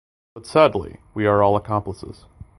But sadly we are all accomplices.